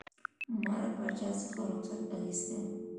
ما له پاچا څخه رخصت اخیستی وو.